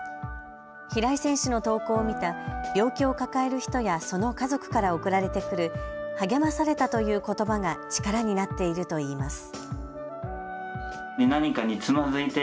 平井選手の投稿を見た病気を抱える人や、その家族から送られてくる、励まされたということばが力になっているといいます。